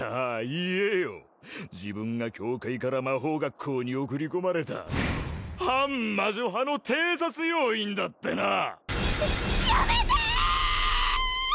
言えよ自分が教会から魔法学校に送り込まれた反魔女派の偵察要員だってなやめて！